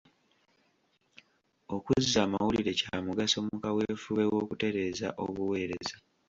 Okuzza amawulire kya mugaso mu kaweefube w'okutereeza obuweereza.